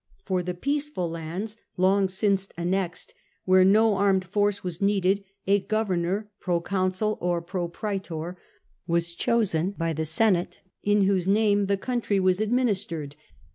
For the peaceful lands long since annexed, where no armed force was needed, a governor Provincial (proconsul or proprietor) was chosen by the senate, in whose name the country was administered.